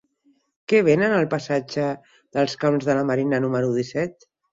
Què venen al passatge dels Camps de la Marina número disset?